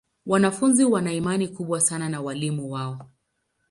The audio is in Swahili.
Wanafunzi wana imani kubwa sana na walimu wao.